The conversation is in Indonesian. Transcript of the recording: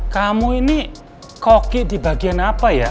kamu ini koki di bagian apa ya